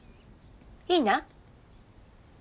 いいな？